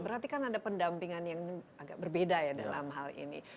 berarti kan ada pendampingan yang agak berbeda ya dalam hal ini